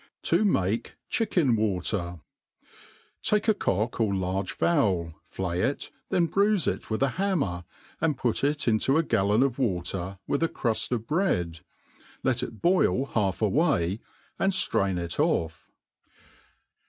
To make Chicken TVater. TAKE a cock, or large fowl, flay it, then bruife it with a hammer, and put it into a gallon of waten, with a cruft of bread. Let it boil half away, and ftrain it off.